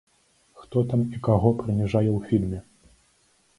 Хто там і каго прыніжае ў фільме?